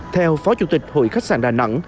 theo phó chủ tịch hội khách sạn đà nẵng